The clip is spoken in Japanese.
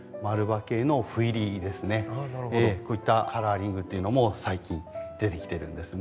こういったカラーリングっていうのも最近出てきてるんですね。